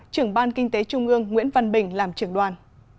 trưởng ban kinh tế trung ương nguyễn văn bình làm trưởng đoàn